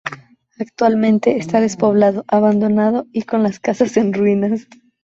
Actualmente está despoblado, abandonado y con las casas en ruinas.